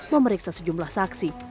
memeriksa sejumlah saksi